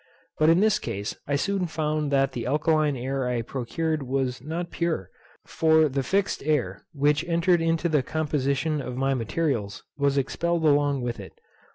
But in this case I soon found that the alkaline air I procured was not pure; for the fixed air, which entered into the composition of my materials, was expelled along with it.